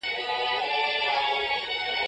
هغې ته وواياست چي اصلي کور دې د خاوند دی.